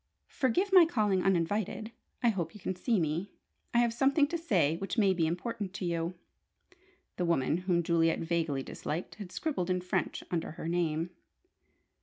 "Forgive my calling uninvited. I hope you can see me. I have something to say which may be important to you," the woman, whom Juliet vaguely disliked, had scribbled in French under her name.